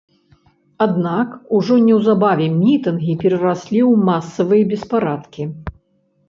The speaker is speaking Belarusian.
Аднак, ужо неўзабаве мітынгі перараслі ў масавыя беспарадкі.